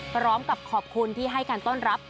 พร้อมกับขอบคุณที่ให้การต้อนรับ